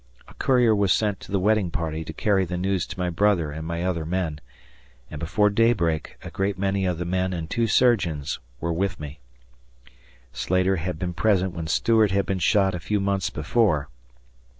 A courier was sent to the wedding party to carry the news to my brother and my other men, and before daybreak a great many of the men and two surgeons were with me. Slater had been present when Stuart had been shot a few months before.